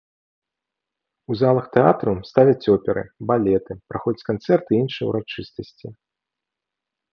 У залах тэатру ставяць оперы, балеты, праходзяць канцэрты і іншыя ўрачыстасці.